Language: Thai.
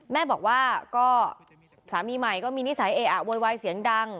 แม่บอกว่าก็สามีใหม่ก็มีนิสัยเออะโวยวายเสียงดัง